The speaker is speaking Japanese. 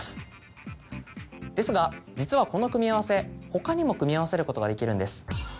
ですが実はこの組み合わせ他にも組み合わせることができるんです。